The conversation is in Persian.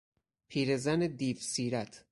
پیرزن دیوسیرت